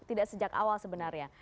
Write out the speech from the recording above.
tidak sejak awal sebenarnya